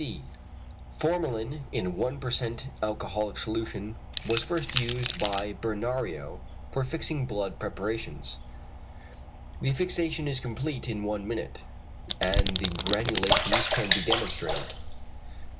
c. Formalin in 1% alcoholic solution was first used by Benario for fixing blood preparations. The fixation is complete in one minute, and the granulations can be demonstrated.